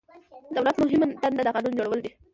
دولت مهمه دنده د قانون جوړول دي.